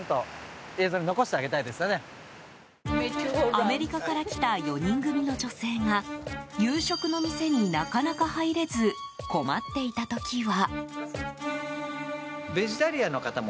アメリカから来た４人組の女性が夕食の店になかなか入れず困っていた時は。